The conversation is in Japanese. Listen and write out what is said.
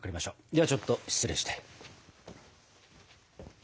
ではちょっと失礼して。